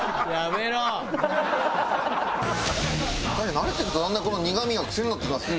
慣れてくるとだんだんこの苦みが癖になってきますね。